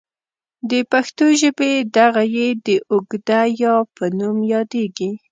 د پښتو ژبې دغه ې د اوږدې یا په نوم یادیږي.